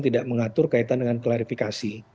tidak mengatur kaitan dengan klarifikasi